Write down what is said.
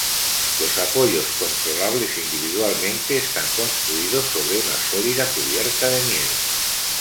Los apoyos controlables individualmente están construidos sobre una sólida cubierta de nieve.